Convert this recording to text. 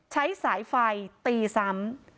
ใช้สายไฟตีซ้ำ